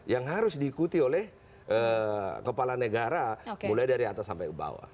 yang harus diikuti oleh kepala negara mulai dari atas sampai ke bawah